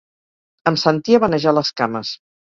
Em sentia vanejar les cames.